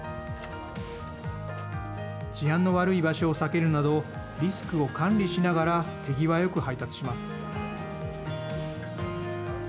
治安の悪い場所を避けるなどリスクを管理しながら手際よく配達します。